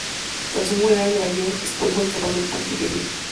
Tras un funeral en Nueva York, Stone fue enterrado en Fayetteville.